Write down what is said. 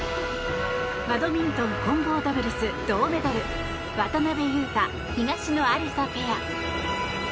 バドミントン混合ダブルス銅メダル渡辺勇大、東野有紗ペア。